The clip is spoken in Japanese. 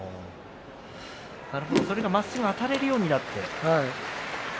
なるほどまっすぐあたれるようになって。